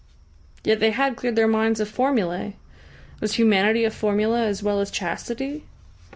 Yet they had cleared their minds of formulae! Was humanity a formula as well as chastity?